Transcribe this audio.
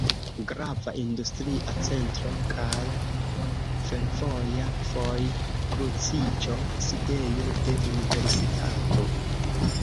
Grava industria centro kaj fervoja vojkruciĝo, sidejo de universitato.